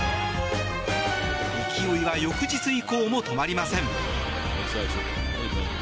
勢いは翌日以降も止まりません。